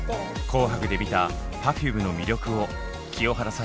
「紅白」で見たＰｅｒｆｕｍｅの魅力を清原さんに伺いました。